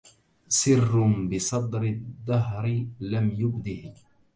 سِرٌّ بصدر الدهرِ لم يُبده